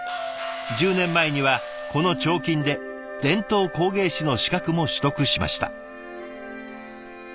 １０年前にはこの彫金で伝統工芸士の資格も取得しました。